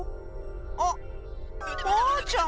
あっマーちゃん！